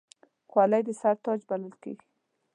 خولۍ د سر تاج بلل کېږي.